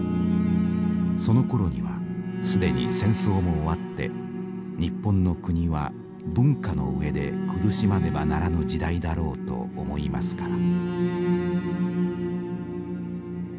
そのころには既に戦争も終わって日本の国は文化の上で苦しまねばならぬ時代だろうと思いますから」。